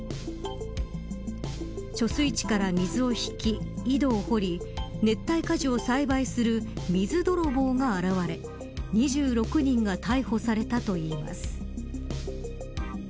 貯水池から水を引き、井戸を掘り熱帯果樹を栽培する水泥棒が現れ２６人が逮捕されたといいます。